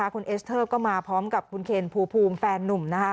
คุณเอสเทอร์ก็มาพร้อมกับคุณเขนภูมิภูมิแฟนนุ่ม